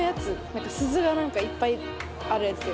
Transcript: なんか鈴がなんかいっぱいあるやつ。